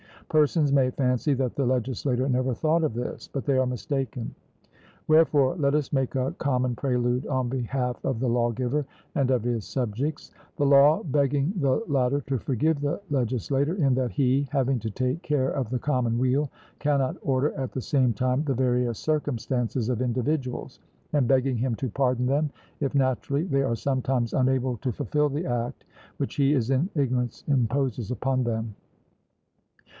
Persons may fancy that the legislator never thought of this, but they are mistaken; wherefore let us make a common prelude on behalf of the lawgiver and of his subjects, the law begging the latter to forgive the legislator, in that he, having to take care of the common weal, cannot order at the same time the various circumstances of individuals, and begging him to pardon them if naturally they are sometimes unable to fulfil the act which he in his ignorance imposes upon them.